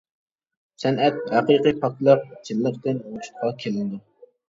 سەنئەت ھەقىقىي پاكلىق، چىنلىقتىن ۋۇجۇدقا كېلىدۇ.